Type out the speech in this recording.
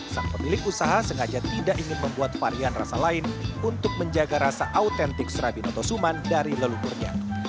sang pemilik usaha sengaja tidak ingin membuat varian rasa lain untuk menjaga rasa autentik serabi notosuman dari leluhurnya